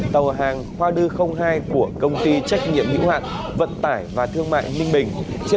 tàu hàng hoa lư hai của công ty trách nhiệm những hoạn vận tải và thương mại ninh bình